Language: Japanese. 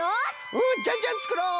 うんじゃんじゃんつくろう！